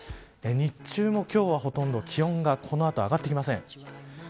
日中も今日はほとんど気温がこの後上がってきません。